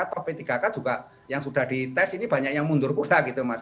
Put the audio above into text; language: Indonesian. atau p tiga k juga yang sudah dites ini banyak yang mundur pula gitu mas